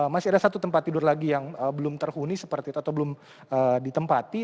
masih ada satu tempat tidur lagi yang belum terhuni seperti itu atau belum ditempati